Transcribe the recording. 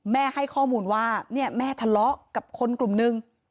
แม่ให้ข้อมูลว่าแม่ทะเลาะกับคนกลุ่มหนึ่ง